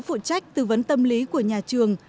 phụ trách tư vấn tâm lý của nhà trường